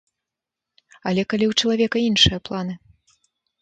Але калі ў чалавека іншыя планы?